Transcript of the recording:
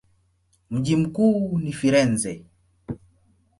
Mji mkuu ni Firenze.